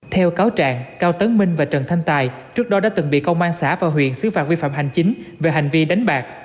theo cáo trạng cao tấn minh và trần thanh tài trước đó đã từng bị công an xã và huyện xứ phạt vi phạm hành chính về hành vi đánh bạc